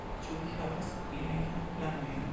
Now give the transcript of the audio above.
Ĉu vi havas pliajn planojn?